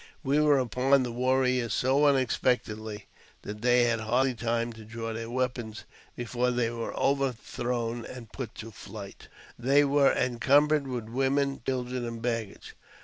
We were upon the warriors so unexpectedly that they had hardly time to draw their weapons before they were overthrown and put to flight. They were encumbered with women, children, and baggage.